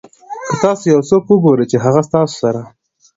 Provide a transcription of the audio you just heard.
که تاسو یو څوک وګورئ چې هغه ستاسو سره.